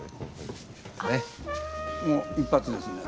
もう一発ですね。